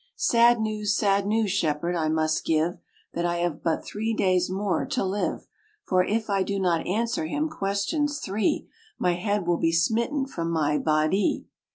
"Sad news, sad news, shepherd, I must give, That I have but three days more to live; For if I do not answer him questions three, My head will be smitten from my bodie.